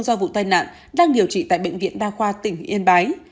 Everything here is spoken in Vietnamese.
do vụ tai nạn đang điều trị tại bệnh viện đa khoa tỉnh yên bái